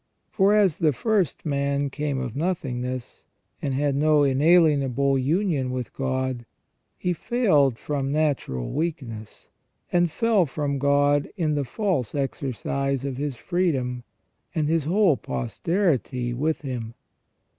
For as the first man came of nothingness, and had no inaHenable union with God, he failed from natural weakness, and fell from God in the false exercise of his freedom, and his whole posterity with him.